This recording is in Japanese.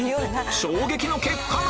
衝撃の結果が！